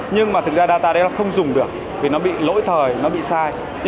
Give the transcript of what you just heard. nhưng mà thực ra data đấy nó không dùng được thì nó bị lỗi thời nó bị sai